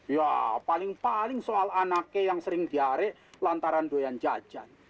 ya paling paling soal anaknya yang sering diare lantaran doyan jajan